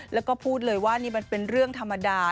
แล้วก็พูดเลยว่านี่มันเป็นเรื่องธรรมดา